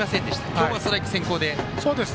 今日はストライク先行です。